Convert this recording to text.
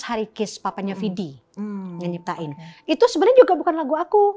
hari kes papanya fidi nyiptain itu sebenarnya juga bukan lagu lagunya itu juga bukan lagu lagunya